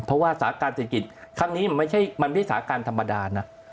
เพราะว่าสาการเศรษฐกิจครั้งนี้มันไม่ใช่มันวิสาการธรรมดานะ